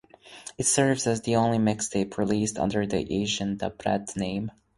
It serves as the only mixtape released under the Asian Da Brat name.